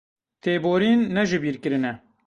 Têborîn, ne jibîrkirin e.